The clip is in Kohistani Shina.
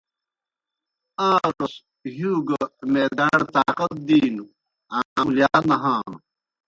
آن٘روْس ہِیؤ گہ معداڑ طاقت دِینوْ آں اُلِیال نہانوْ۔